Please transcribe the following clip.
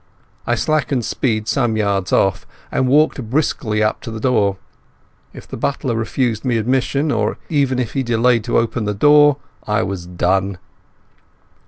I slackened speed some yards off and walked briskly up to the door. If the butler refused me admission, or if he even delayed to open the door, I was done.